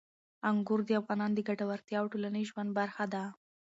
انګور د افغانانو د ګټورتیا او ټولنیز ژوند برخه ده.